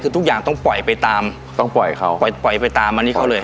คือทุกอย่างต้องปล่อยไปตามต้องปล่อยเขาปล่อยปล่อยไปตามอันนี้เขาเลย